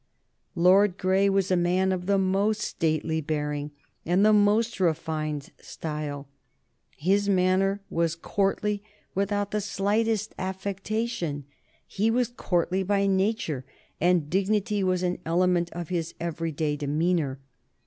Lord Grey was a man of the most stately bearing and the most refined style. His manner was courtly without the slightest affectation; he was courtly by nature, and dignity was an element of his every day demeanor.